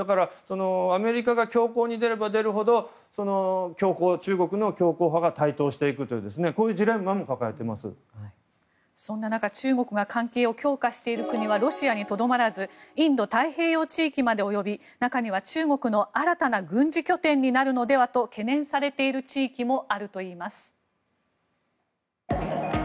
アメリカが強硬に出れば出るほど中国の強硬派が台頭していくというジレンマもそんな中中国が関係を強化している国はロシアにとどまらずインド太平洋地域まで及び中には中国の新たな軍事拠点になるのではと懸念されている地域もあるといいます。